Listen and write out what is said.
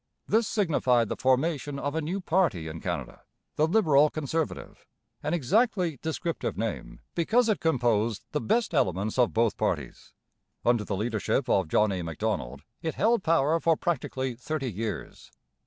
This signified the formation of a new party in Canada, the Liberal Conservative, an exactly descriptive name, because it composed the best elements of both parties. Under the leadership of John A. Macdonald it held power for practically thirty years.